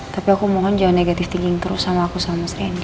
tapi aku mohon jangan negatif tingging terus sama aku sama mas randy